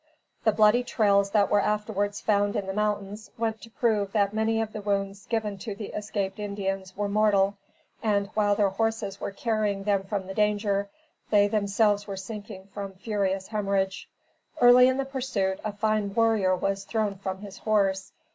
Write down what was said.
The bloody trails that were afterwards found in the mountains, went to prove that many of the wounds given to the escaped Indians were mortal, and, while their horses were carrying them from the danger, they themselves were sinking from furious hemorrhage. Early in the pursuit, a fine warrior was thrown from his horse.